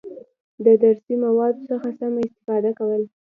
د درسي موادو څخه سمه استفاده کول،